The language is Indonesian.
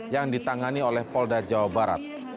yang ditangani oleh polda jawa barat